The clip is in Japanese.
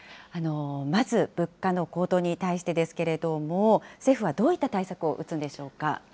まず、物価の高騰に対してですけれども、政府はどういった対策を打つんでしょうか？